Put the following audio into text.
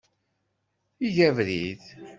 Eg abrid.